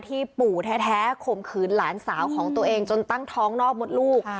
ปู่แท้ข่มขืนหลานสาวของตัวเองจนตั้งท้องนอกมดลูก